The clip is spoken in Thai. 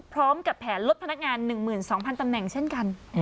พร้อมกับแผนลดพนักงาน๑๒๐๐ตำแหน่งเช่นกัน